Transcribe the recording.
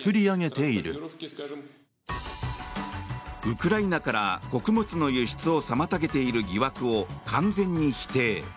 ウクライナから穀物の輸出を妨げている疑惑を完全に否定。